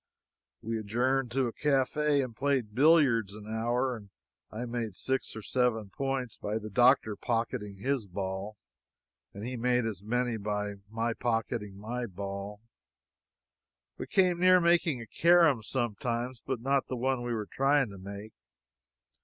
We adjourned to a cafe and played billiards an hour, and I made six or seven points by the doctor pocketing his ball, and he made as many by my pocketing my ball. We came near making a carom sometimes, but not the one we were trying to make.